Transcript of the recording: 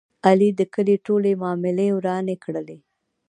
علي د کلي ټولې معاملې ورانې کړلې.